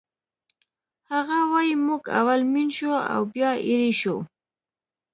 هغه وایی موږ اول مین شو او بیا ایرې شو